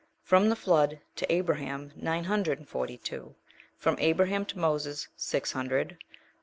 From the flood of Abraham, nine hundred and forty two. From Abraham to Moses, six hundred.